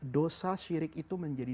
dosa sirik itu menjadi